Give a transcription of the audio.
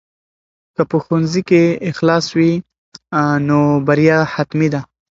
که په ښوونځي کې اخلاص وي نو بریا حتمي ده.